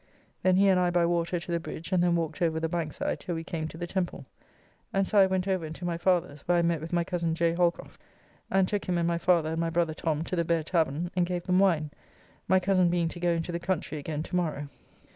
Then he and I by water to the bridge, and then walked over the Bank side till we came to the Temple, and so I went over and to my father's, where I met with my cozen J. Holcroft, and took him and my father and my brother Tom to the Bear tavern and gave them wine, my cozen being to go into the country again to morrow.